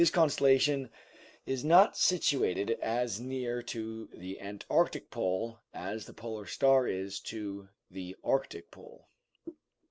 This constellation is not situated as near to the antarctic pole as the Polar Star is to the arctic pole.